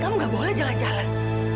kamu gak boleh jalan jalan